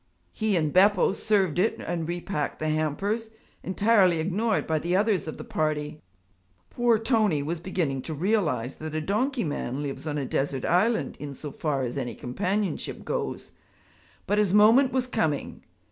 He and Beppo served it and repacked the hampers, entirely ignored by the others of the party. Poor Tony was beginning to realize that a donkey man lives on a desert island in so far as any companionship goes. But his moment was coming.